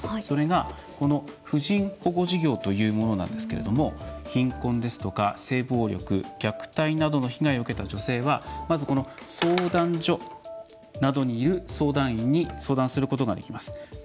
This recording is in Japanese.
それが、この婦人保護事業というものなんですけれども貧困ですとか性暴力虐待などの被害を受けた女性はまず、この相談所などにいる相談員に相談することができます。